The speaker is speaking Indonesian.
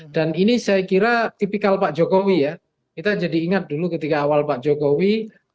dan ini saya kira tipikal pak jokowi ya kita jadi ingat dulu ketika awal pak jokowi